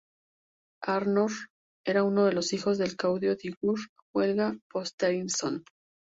Arnór era uno de los hijos del caudillo Digur-Helga Þorsteinsson.